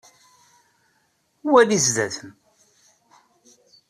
Wali zdat-m.